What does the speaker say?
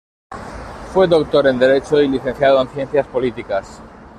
Fue doctor en Derecho y licenciado en Ciencias Políticas.